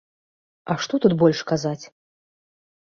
А што тут больш казаць?